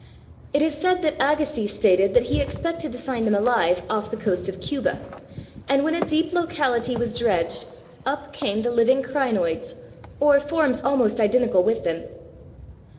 It is said that Agassiz stated that he expected to find them alive off the coast of Cuba, and when a deep locality was dredged, up came the living crinoids, or forms almost identical with them.